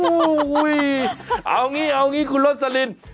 อุ๊ยเอาอย่างนี้เอาอย่างนี้คุณโรสลิน